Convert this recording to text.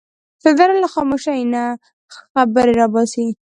سندره له خاموشۍ نه خبرې را باسي